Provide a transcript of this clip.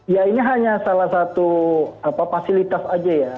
ya ini hanya salah satu fasilitas aja ya